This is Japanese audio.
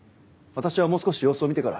私はもう少し様子を見てから。